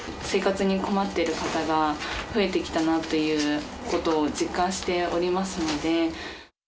生活に困ってる方が増えてきたなということを実感しておりますので。